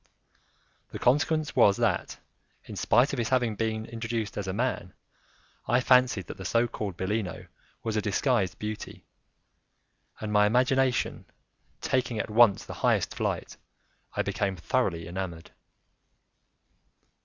The consequence was that, in spite of his having been introduced as a man, I fancied that the so called Bellino was a disguised beauty, and, my imagination taking at once the highest flight, I became thoroughly enamoured.